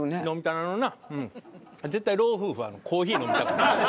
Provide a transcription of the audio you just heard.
絶対老夫婦はコーヒー飲みたくなる。